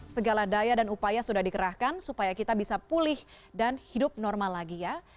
segala daya dan upaya sudah dikerahkan supaya kita bisa pulih dan hidup normal lagi ya